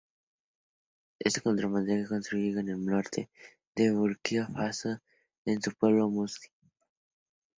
Este cortometraje transcurre en el norte de Burkina Faso, en un pueblo mossi.